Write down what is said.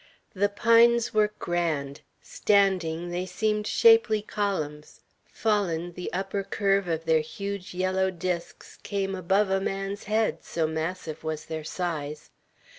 The pines were grand; standing, they seemed shapely columns; fallen, the upper curve of their huge yellow disks came above a man's head, so massive was their size.